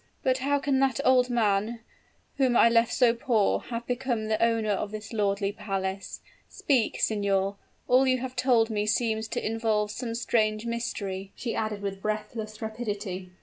"But how can that old man, whom I left so poor, have become the owner of this lordly palace? Speak, signor! all you have told me seems to involve some strange mystery," she added with breathless rapidity.